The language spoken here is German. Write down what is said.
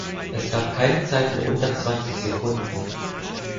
Es gab keine Zeiten unter zwanzig Sekunden.